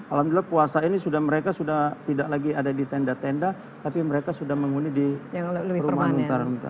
alhamdulillah puasa ini sudah mereka sudah tidak lagi ada di tenda tenda tapi mereka sudah menghuni di perumahan utara